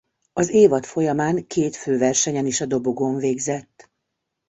Az évad folyamán két főversenyen is a dobogón végzett.